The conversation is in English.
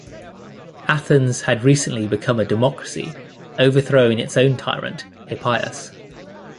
Athens had recently become a democracy, overthrowing its own tyrant Hippias.